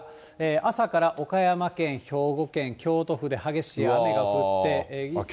朝から岡山県、兵庫県、京都府で激しい雨が降って。